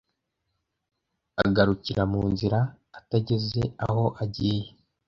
agarukira mu nzira ategeze aho agiye